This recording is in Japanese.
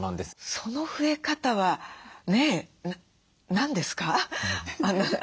その増え方はね何ですか？